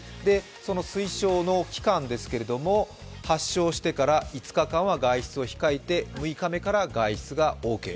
その推奨の期間ですけれども、発症してから５日間は外出を控えて６日目から外出がオーケー。